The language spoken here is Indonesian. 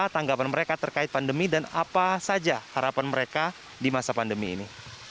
tanggapan mereka terkait pandemi dan apa saja harapan mereka di masa pandemi ini